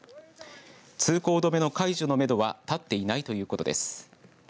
通行止めの解除のめどは立っていないということです。